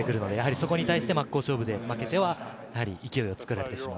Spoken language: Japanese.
そこに対して真っ向勝負で負けては勢いを作られてしまう。